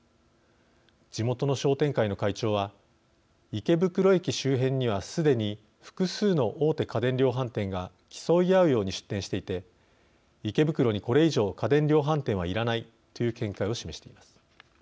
地元の商店会の会長は池袋駅周辺にはすでに複数の大手家電量販店が競い合うように出店していて池袋にこれ以上家電量販店はいらないという見解を示しています。